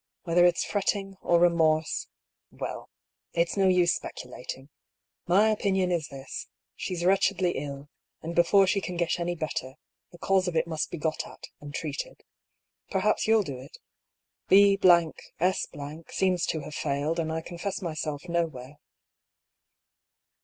Whether it's fretting, or remorse — well, it's no use speculating. My opinion is this — she's wretchedly ill ; and before she can get any better, the cause of it must be got at, and treated. Perhaps you'll do it. B S seems to have failed, and I con fess myself nowhere."